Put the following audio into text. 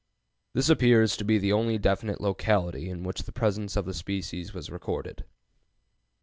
" This appears to be the only definite locality in which the presence of the species was recorded.